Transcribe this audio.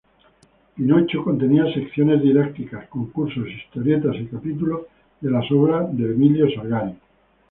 Pinocho contenía secciones didácticas, concursos, historietas y capítulos de las obras de Emilio Salgari.